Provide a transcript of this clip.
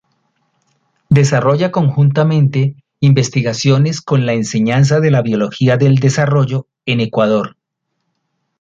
Desarrolla conjuntamente, investigaciones con la enseñanza de la Biología del Desarrollo, en Ecuador.